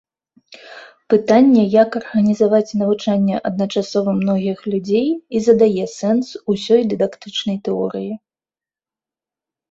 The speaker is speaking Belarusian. Пытанне, як арганізаваць навучанне адначасова многіх людзей, і задае сэнс усёй дыдактычнай тэорыі.